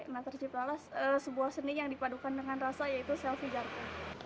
nah terciptalah sebuah seni yang dipadukan dengan rasa yaitu selfie jargo